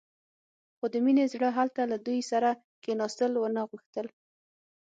خو د مينې زړه هلته له دوی سره کښېناستل ونه غوښتل.